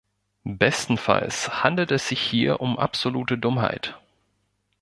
Bestenfalls handelt es sich hier um absolute Dummheit.